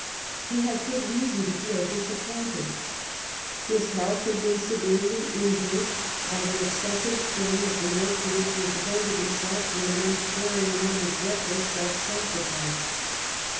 He had good rea son to feel disappointed. His health had been severely injured by the excessive strain of the work to which he had devoted himself with an unsparing and almost reckless self sacrifice.